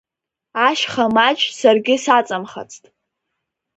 Ашьха маџь Саргьы саҵамхацт…